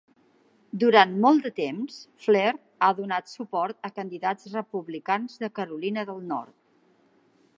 Durant molt de temps, Flair ha donat suport a candidats republicans de Carolina del Nord.